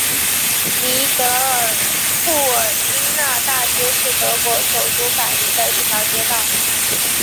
尼德尔克尔新纳大街是德国首都柏林的一条街道。